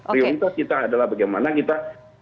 prioritas kita adalah bagaimana kita